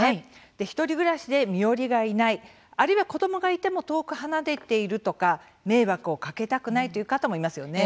１人暮らしで身寄りがいないあるいは、子どもがいても遠く離れているとか迷惑をかけたくないという方もいますよね。